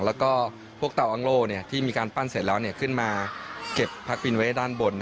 แล้วก็พวกเตาอังโล่ที่มีการปั้นเสร็จแล้วขึ้นมาเก็บพักบินไว้ด้านบน